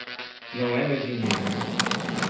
Não é meu dinheiro!